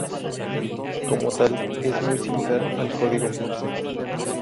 Como tal, es muy similar al código Morse.